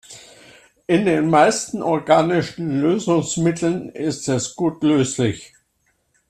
In den meisten organischen Lösungsmitteln ist es gut löslich.